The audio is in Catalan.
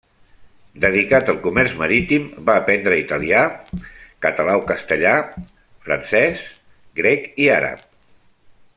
Dedicat al comerç marítim, va aprendre italià, català o castellà, francès, grec i àrab.